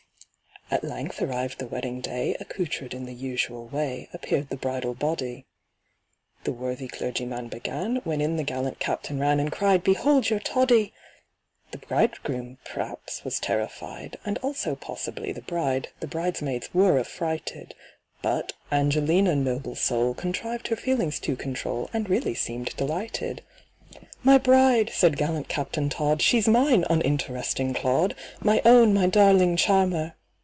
At length arrived the wedding day; Accoutred in the usual way Appeared the bridal body; The worthy clergyman began, When in the gallant Captain ran And cried, "Behold your TODDY!" The bridegroom, p'raps, was terrified, And also possibly the bride— The bridesmaids were affrighted; But ANGELINA, noble soul, Contrived her feelings to control, And really seemed delighted. "My bride!" said gallant CAPTAIN TODD, "She's mine, uninteresting clod! My own, my darling charmer!"